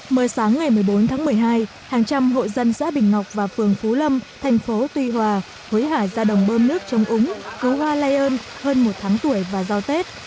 mới sáng ngày một mươi bốn tháng một mươi hai hàng trăm hội dân xã bình ngọc và phường phú lâm thành phố tuy hòa huy hải ra đồng bơm nước trong úng cứu hoa lay ơn hơn một tháng tuổi và rau tết